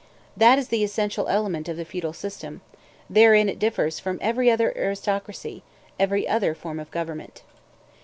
That is the essential element of the feudal system; therein it differs from every other aristocracy, every other form of government.